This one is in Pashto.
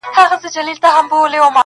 اوس به څوك رايادوي تېري خبري،